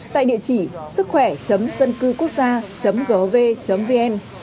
tại địa chỉ sứckhoẻ dâncưquốc gia gov vn